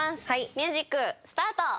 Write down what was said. ミュージックスタート！